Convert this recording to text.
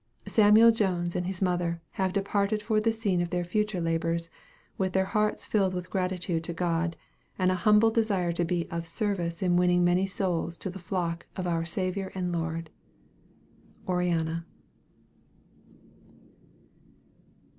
Samuel Jones and his mother have departed for the scene of their future labors, with their hearts filled with gratitude to God, and an humble desire to be of service in winning many souls to the flock of our Savior and Lord. ORIANNA.